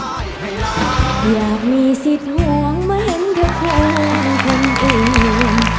อยากมีสิทธิ์ห่วงเหมือนทุกคนคนอื่น